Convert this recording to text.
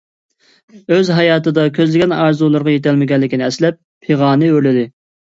ئۆز ھاياتىدا كۆزلىگەن ئارزۇلىرىغا يېتەلمىگەنلىكىنى ئەسلەپ پىغانى ئۆرلىدى.